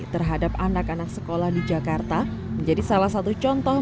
terhadap anak anak sekolah di jakarta menjadi salah satu contoh